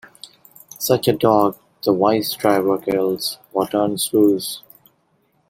Such a dog the wise driver kills, or turns loose.